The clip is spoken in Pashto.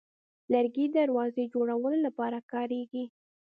لرګی د دروازې جوړولو لپاره کارېږي.